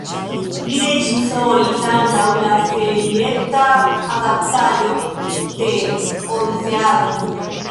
Li reĝisoris ankaŭ la serieta adaptaĵo de Odiseado.